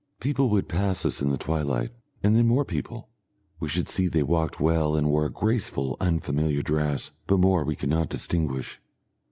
People would pass us in the twilight, and then more people; we should see they walked well and wore a graceful, unfamiliar dress, but more we should not distinguish.